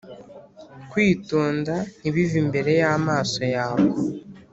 kwitonda Ntibive imbere y amaso yawe